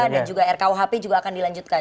dan juga rkuhp juga akan dilanjutkan